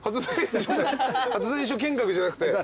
発電所見学じゃなくて。